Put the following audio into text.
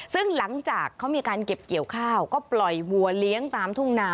ซึ่งหลังจากเขามีการเก็บเกี่ยวข้าวก็ปล่อยวัวเลี้ยงตามทุ่งนา